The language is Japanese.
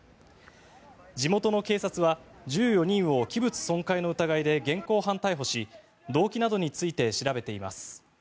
地元の警察は１４人を器物損壊の疑いで現行犯逮捕し動機などについて調べています。